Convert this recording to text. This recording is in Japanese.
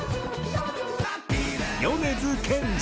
米津玄師。